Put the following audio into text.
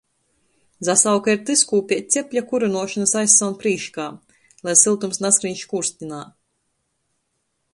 Zasauka ir tys, kū piec cepļa kurynuošonys aizsaun prīškā, lai syltums naskrīn škūrstinī.